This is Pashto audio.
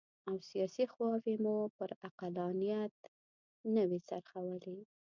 او سیاسي خواوې مو پر عقلانیت نه وي څرخولي.